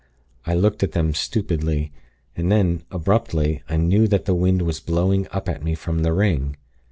I looked at them, stupidly. And then, abruptly, I knew that the wind was blowing up at me from the ring.